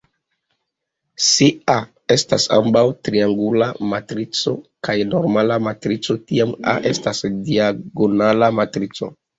Se "A" estas ambaŭ triangula matrico kaj normala matrico, tiam "A" estas diagonala matrico.